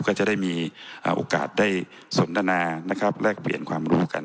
ก็จะได้มีโอกาสได้สนทนานะครับแลกเปลี่ยนความรู้กัน